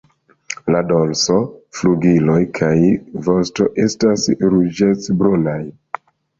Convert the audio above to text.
La dorso, flugiloj kaj vosto estas ruĝecbrunaj.